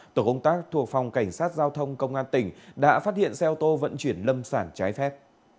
tổ công tác thuộc phòng cảnh sát giao thông công an tỉnh đã phát hiện xe ô tô vận chuyển lâm sản trái phép